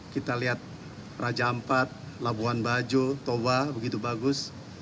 kita lihat raja ampat labuan bajo toba begitu bagus